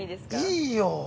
◆いいよ。